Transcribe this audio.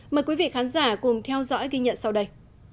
mời quý vị khán giả cùng theo dõi ghi nhận sau đây